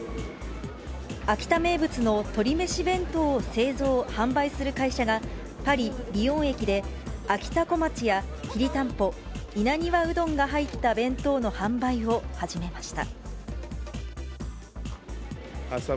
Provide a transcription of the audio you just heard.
秋田名物の鶏めし弁当を製造・販売する会社が、パリ・リヨン駅であきたこまちやきりたんぽ、稲庭うどんが入った弁当の販売を始めました。